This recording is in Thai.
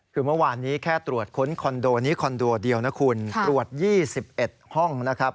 คือเมื่อวานนี้แค่ตรวจค้นคอนโดนี้คอนโดเดียวนะคุณตรวจ๒๑ห้องนะครับ